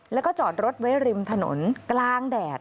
แล้วก็จอดรถไว้ริมถนนกลางแดด